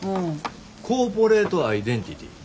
コーポレートアイデンティティー。